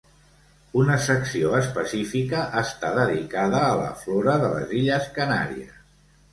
Una secció específica està dedicada a la flora de les Illes Canàries.